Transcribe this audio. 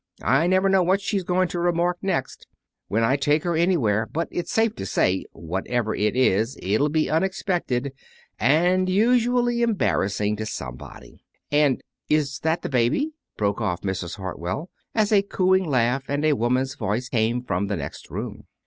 I never know what she's going to remark next, when I take her anywhere; but it's safe to say, whatever it is, it'll be unexpected and usually embarrassing to somebody. And is that the baby?" broke off Mrs. Hartwell, as a cooing laugh and a woman's voice came from the next room.